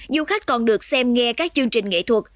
du khách còn được xem nghe các chương trình nghệ thuật